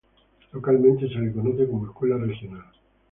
Localmente se la conoce como Escuela Regional.